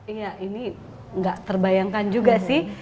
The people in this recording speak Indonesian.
iya ini nggak terbayangkan juga sih